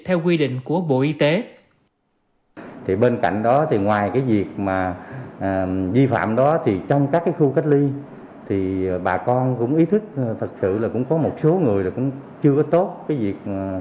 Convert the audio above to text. theo quy định của bộ y tế